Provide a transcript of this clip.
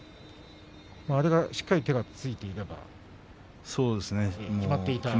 あれがしっかり手がついていればきまっていた。